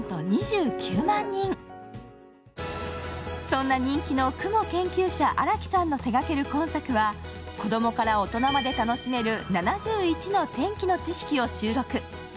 そんな人気の雲研究者・荒木さんの手がける今作は子供から大人まで楽しめる７１の天気の知識を収録。